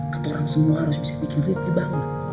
kata orang semua harus bisa bikin rifki bangga